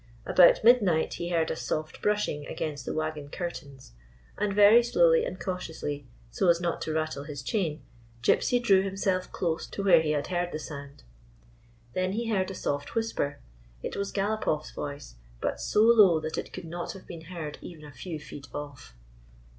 About midnight he heard a soft brushing against the wagon curtains, and very slowly and cautiously, so as not to rattle his chain, Gypsy 192 A TALK AT MIDNIGHT drew himself close to where he had heard the sound. Then he heard a soft whisper. It was Gal opoff's voice, but so low that it could not have been heard even a few feet off.